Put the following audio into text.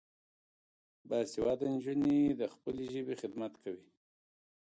باسواده نجونې د خپلې ژبې خدمت کوي.